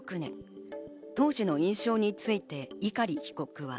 当時の印象について碇被告は。